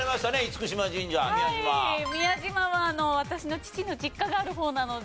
宮島は私の父の実家がある方なので。